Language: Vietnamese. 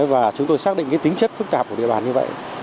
và chúng tôi xác định tính chất phức tạp của địa bàn như vậy